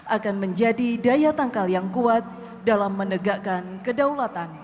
akan menjadi daya tangkal yang kuat dalam menegakkan kedaulatan